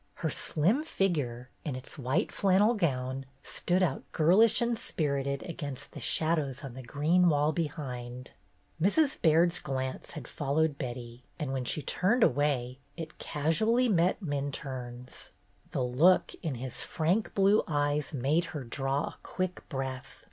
Her slim figure, in its white flannel gown, stood out girlish and spirited against the shadows on the green wall behind. Mrs. Baird's glance had followed Betty, and when she turned away, it casually met Min turne's. The look in his frank blue eyes made her draw a quick breath.